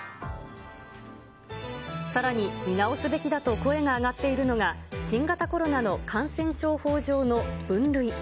さらに、見直すべきだと声が上がっているのが、新型コロナの感染症法上の分類。